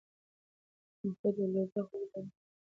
د نخودو او لوبیا خوړل بدن ته پوره پروټین رسوي.